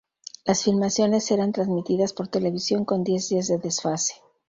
Las filmaciones eran transmitidas por televisión con diez días de desfase.